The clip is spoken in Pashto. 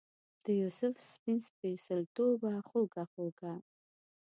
دیوسف سپین سپیڅلتوبه خوږه خوږه